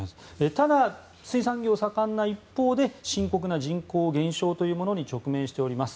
ただ、水産業が盛んな一方で深刻な人口減少というものに直面しております。